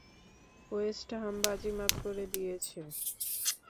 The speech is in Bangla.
ওয়েস্টহাম বাজিমাত করে দিয়েছে!